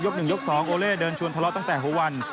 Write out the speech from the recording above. ๑ยก๒โอเล่เดินชวนทะเลาะตั้งแต่หัววัน